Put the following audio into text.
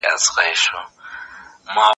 کورني اختلافات د کار نه باید جدا وي.